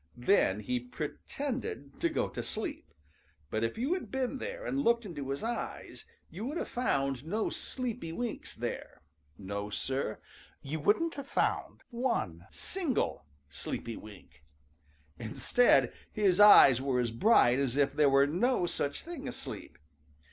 Then he pretended to go to sleep, but if you had been there and looked into his eyes, you would have found no sleepy winks there. No, Sir, you wouldn't have found one single sleepy wink! Instead, his eyes were as bright as if there were no such thing as sleep.